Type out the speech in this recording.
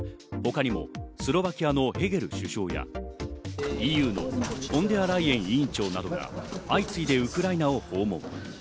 他にもスロバキアのヘゲル首相やＥＵのフォンデアライエン委員長が相次いでウクライナを訪問。